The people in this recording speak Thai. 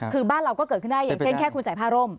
คือบ้านเราก็เกิดขึ้นได้อย่างเช่นแค่คุณใส่ผ้าร่ม